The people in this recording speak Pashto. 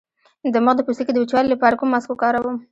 د مخ د پوستکي د وچوالي لپاره کوم ماسک وکاروم؟